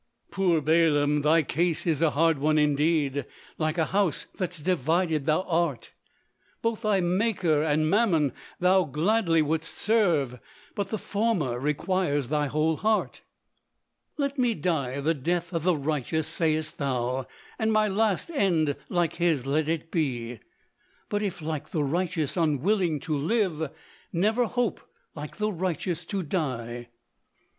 Poor Balaam, thy case is a hard one indeed; Like a house that's divided thou art; Both thy Maker and Mammon thou gladly would'st serve, But the former requires thy whole heart. "Let me die the death of the righteous," say'st thou, "And my last end like his let it be;" But if like the righteous unwilling to live, Never hope like the righteous to die.